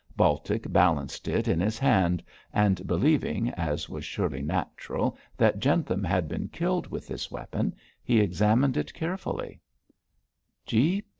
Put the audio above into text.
Baltic balanced it in his hand, and believing, as was surely natural, that Jentham had been killed with this weapon, he examined it carefully.